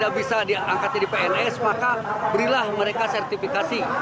tidak bisa diangkat jadi pns maka berilah mereka sertifikasi